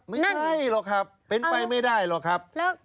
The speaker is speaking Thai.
นั่นไม่ได้หรอกครับเป็นไปไม่ได้หรอกครับแล้ว